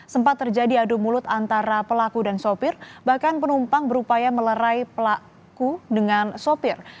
sempat terjadi adu mulut antara pelaku dan sopir bahkan penumpang berupaya melerai pelaku dengan sopir